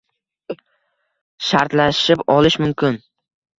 shartlashib olish mumkin.